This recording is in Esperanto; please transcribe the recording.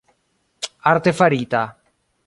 artefarita